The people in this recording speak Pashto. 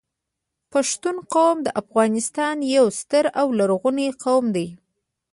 پښتون قوم د افغانستان یو ستر او لرغونی قوم دی